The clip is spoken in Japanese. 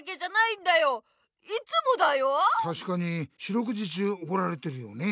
たしかに四六時中おこられてるよね。